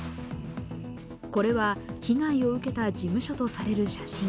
これは、被害を受けた事務所とされる写真。